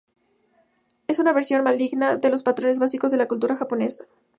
Es una versión maligna de los patrones básicos de la cultura japonesa.